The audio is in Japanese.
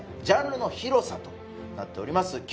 ジャンルの広さとなっております